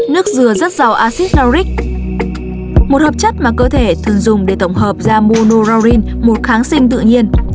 nước dừa rất giàu axit lauric một hợp chất mà cơ thể thường dùng để tổng hợp ra monolaurin một kháng sinh tự nhiên